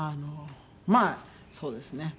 まあそうですね